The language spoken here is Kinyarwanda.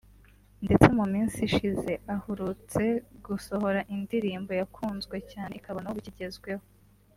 ndetse mu minsi ishize ahurutse gusohora indirimbo yakunzwe cyane ikaba n’ubu ikigezweho